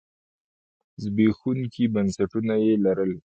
زبېښونکي بنسټونه یې لرل.